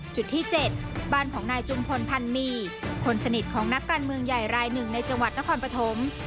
จุดที่๗บ้านของนายจุมพลพันมีคนสนิทของนักการเมืองใหญ่รายหนึ่งในจังหวัดนครปฐม